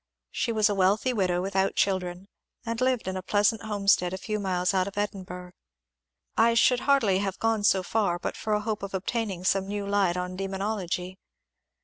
She was a wealthy widow without children, and lived in a pleasant homestead a few miles out of Edinburgh. I should hardly have gone so far but for a hope of obtaining some new light on de monology.